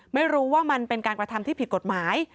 ไม่รู้ว่ามันเป็นการกระทำที่ผิดกฎหมาย